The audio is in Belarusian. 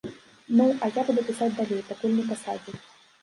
Ну, а я буду пісаць далей, пакуль не пасадзяць.